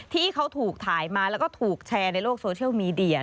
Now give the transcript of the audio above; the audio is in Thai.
ที่เขาถูกถ่ายมาแล้วก็ถูกแชร์ในโลกโซเชียลมีเดีย